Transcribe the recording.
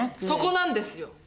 そこなんですよ！